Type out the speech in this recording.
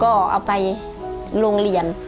ก็เอาไปโรงเรียน